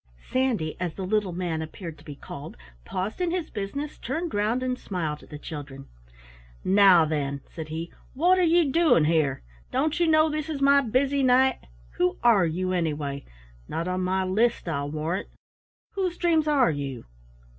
Sandy, as the little man appeared to be called, paused in his business, turned round, and smiled at the children. "Now then," said he, "what are you doing here? Don't you know this is my busy night? Who are you, anyway? Not on my list, I'll warrant. Who's dreams are you?"